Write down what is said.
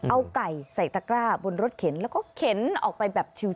เอาไก่ใส่ตะกร้าบนรถเข็นแล้วก็เข็นออกไปแบบชิว